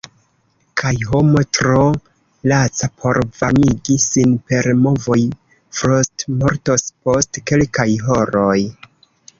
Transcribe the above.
Kaj homo tro laca por varmigi sin per movoj frostmortos post kelkaj horoj.